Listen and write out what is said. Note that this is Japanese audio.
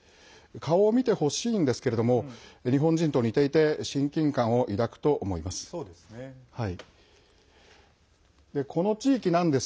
顔を見てほしいんですけれども日本人と似ていて親近感を抱くと思います。